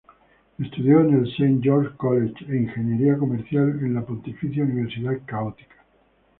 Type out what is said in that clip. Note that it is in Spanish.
Estudió en el Saint George's College e ingeniería comercial en la Pontificia Universidad Católica.